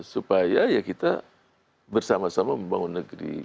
supaya ya kita bersama sama membangun negeri